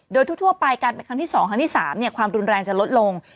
โดยทั่วไปการเป็นครั้งที่๒ครั้งที่๓ความรุนแรงจะลดลง